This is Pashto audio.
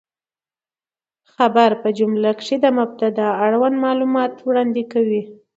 خبر په جمله کښي د مبتداء اړوند معلومات وړاندي کوي.